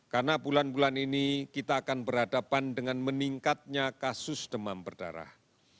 karena bulan bulan ini kita akan berhadapan dengan meningkatnya kasus demam berdarah